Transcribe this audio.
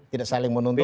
tidak saling menuntut